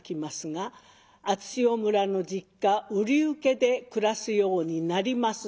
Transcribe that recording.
熱塩村の実家瓜生家で暮らすようになります。